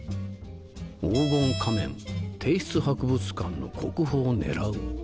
「黄金仮面帝室博物館の国宝狙う」。